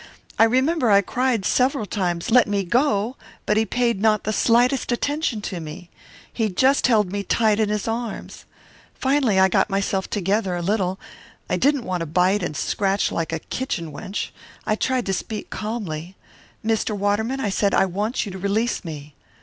I remember I cried several times, 'Let me go!' but he paid not the slightest attention to me. He just held me tight in his arms. "Finally I got myself together, a little. I didn't want to bite and scratch like a kitchen wench. I tried to speak calmly. "'Mr. Waterman,' I said, 'I want you to release me.'